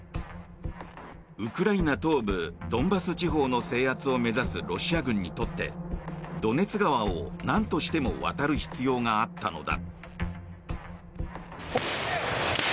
ウクライナ東部ドンバス地方の制圧を目指すロシア軍にとってドネツ川をなんとしても渡る必要があったのだ。